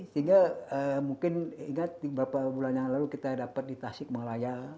sehingga mungkin ingat beberapa bulan yang lalu kita dapat di tasik malaya